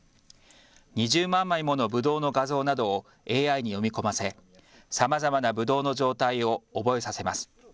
２０万枚ものぶどうの画像などをＡＩに読み込ませさまざまなぶどうの状態を覚えさせます。